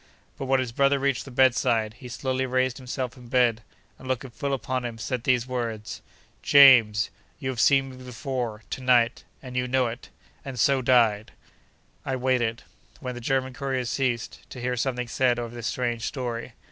But, when his brother reached the bed side, he slowly raised himself in bed, and looking full upon him, said these words: 'JAMES, YOU HAVE SEEN ME BEFORE, TO NIGHT—AND YOU KNOW IT!' And so died! I waited, when the German courier ceased, to hear something said of this strange story.